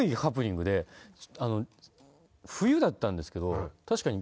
冬だったんですけど確かに。